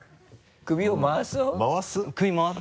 首を回す？